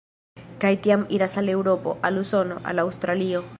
Kaj tiam iras al Eŭropo, al Usono, al Aŭstralio.